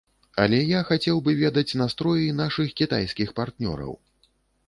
Але я хацеў бы ведаць настроі нашых кітайскіх партнёраў.